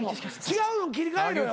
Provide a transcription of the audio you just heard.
違うの切り替えろよ。